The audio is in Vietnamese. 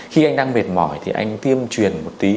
khi anh đang mệt mỏi thì anh tiêm truyền một tí